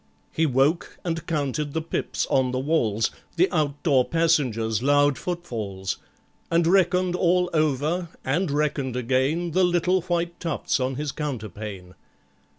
He woke and counted the pips on the walls, The outdoor passengers' loud footfalls, And reckoned all over, and reckoned again, The little white tufts on his counterpane.